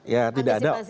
ya tidak ada